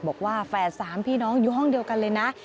แฝดสามพี่น้องอยู่ห้องเดียวกันเลยนะ